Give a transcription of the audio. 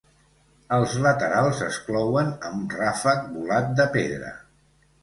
Els laterals es clouen amb ràfec volat de pedra.